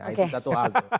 itu satu hal